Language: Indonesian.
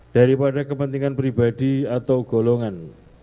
daripada kepentingan pribadi atau golongan